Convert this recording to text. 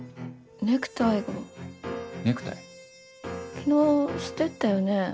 昨日してったよね